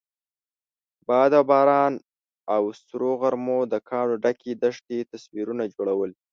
باد او باران او سرو غرمو د کاڼو ډکې دښتې تصویرونه جوړول.